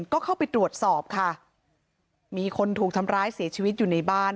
ก็เข้าไปตรวจสอบค่ะมีคนถูกทำร้ายเสียชีวิตอยู่ในบ้าน